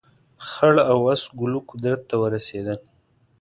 خړ او اس ګلو قدرت ته ورسېدل.